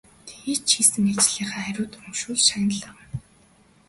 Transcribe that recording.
Тэгээд ч хийсэн ажлынхаа хариуд урамшуулал шагнал авна.